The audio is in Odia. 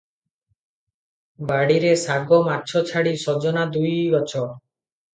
ବାଡ଼ିରେ ଶାଗ ମାଗ ଛାଡ଼ି ସଜନା ଦୁଇ ଗଛ ।